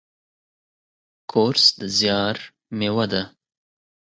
کورس د زیار میوه ده.